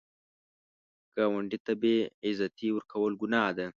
ګاونډي ته بې عزتي ورکول ګناه ده